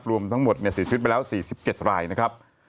รวมทั้งหมดเสียชีวิตไปแล้ว๔๗รายนะครับ